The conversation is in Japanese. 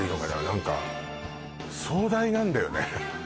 何か壮大なんだよね